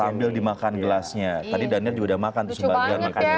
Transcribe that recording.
sambil dimakan gelasnya tadi daniel juga udah makan tuh sebagian makannya